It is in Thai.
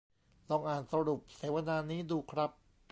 ลองอ่านสรุปเสวนานี้ดูครับ